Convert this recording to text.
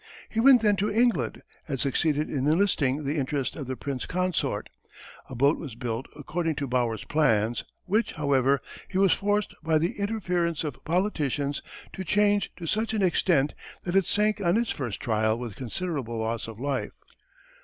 He went then to England and succeeded in enlisting the interest of the Prince Consort. A boat was built according to Bauer's plans, which, however, he was forced by the interference of politicians to change to such an extent that it sank on its first trial with considerable loss of life.